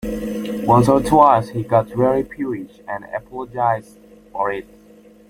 Once or twice he got very peevish, and apologised for it.